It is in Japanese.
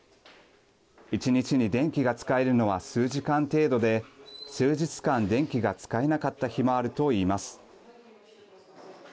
１日に電気が使えるのは数時間程度で数日間、電気が使えなかった日もあると言います。